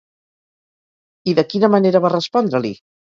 I de quina manera va respondre-li?